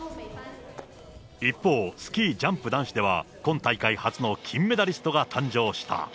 一方、スキージャンプ男子では、今大会初の金メダリストが誕生した。